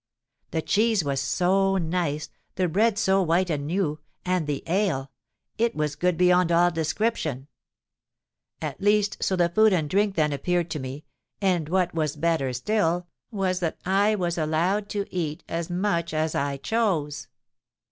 The cheese was so nice—the bread so white and new,—and the ale—it was good beyond all description. At least, so the food and drink then appeared to me: and what was better still, was that I was allowed to eat as much as I chose!